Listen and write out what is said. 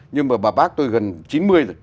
nhưng mà bà bác tôi gần chín mươi rồi